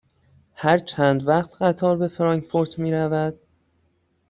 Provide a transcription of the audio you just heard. هر چند وقت قطار به فرانکفورت می رود؟